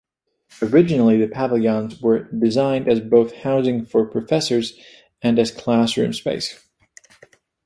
Originally, the Pavilions were designed as both housing for professors and as classroom space.